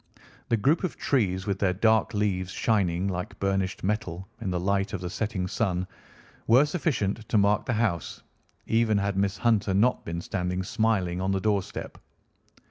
The group of trees, with their dark leaves shining like burnished metal in the light of the setting sun, were sufficient to mark the house even had Miss Hunter not been standing smiling on the door step.